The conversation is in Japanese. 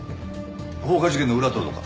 放火事件の裏を取るのか？